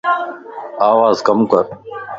آواز ڪم ڪر